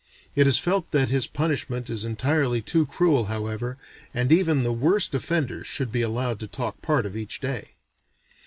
It is felt that his punishment is entirely too cruel however and even the worst offenders should be allowed to talk part of each day.